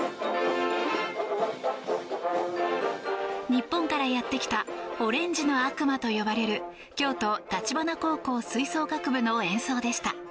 日本からやってきたオレンジの悪魔と呼ばれる京都橘高校吹奏楽部の演奏でした。